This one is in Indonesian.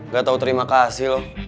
gak tau terima kasih loh